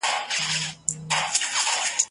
زه ليکنه کړې ده!.